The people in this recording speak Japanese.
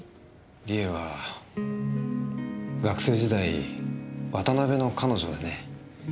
梨絵は学生時代渡辺の彼女でね。